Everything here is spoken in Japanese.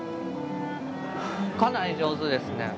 かなり上手ですね。